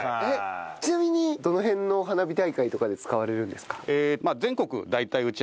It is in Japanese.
ちなみにどの辺の花火大会とかで使われるんですか？